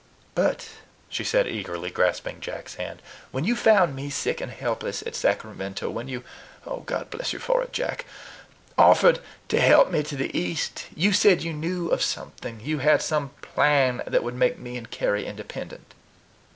"But," she said eagerly, grasping Jack's hand, "when you found me sick and helpless at Sacramento, when you God bless you for it, Jack! offered to help me to the East, you said you knew of something, you had some plan, that would make me and Carry independent."